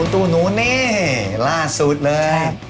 ตู้นู้นนี่ล่าสุดเลย